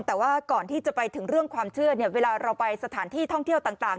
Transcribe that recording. แต่ว่าก่อนที่จะไปถึงเรื่องความเชื่อเนี่ยเวลาเราไปสถานที่ท่องเที่ยวต่าง